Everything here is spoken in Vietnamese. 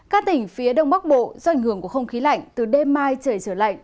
các tỉnh phía đông bắc bộ do ảnh hưởng của không khí lạnh từ đêm mai trời trở lạnh